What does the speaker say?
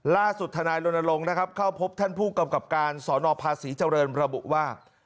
ล่าสุดธนายลนรงค์เข้าพบท่านผู้กำกับการสภาษีเจริญพระบุว่า